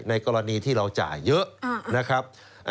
กรณีที่เราจ่ายเยอะนะครับ